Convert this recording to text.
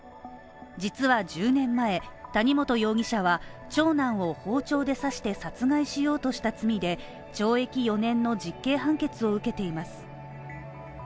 実は１０年前、谷本容疑者は長男を包丁で刺して殺害しようとした罪で懲役４年の実刑判決を受けています。